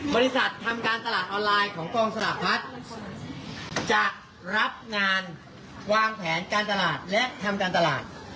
บริษัททำการตลาดออนไลน์ของกองสลากพัฒน์จะรับงานวางแผนการตลาดและทำการตลาด